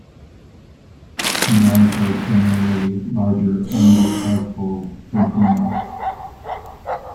Males are generally larger and more colorful than females.